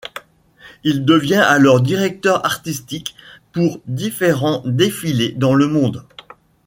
Il devient alors directeur artistique pour différents défilés dans le monde.